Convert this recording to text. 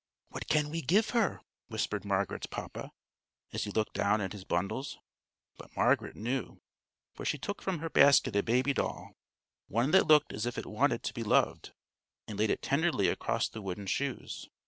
"What can we give her?" whispered Margaret's papa, as he looked down at his bundles; but Margaret knew, for she took from her basket a baby doll one that looked as if it wanted to be loved and laid it tenderly across the wooden shoes.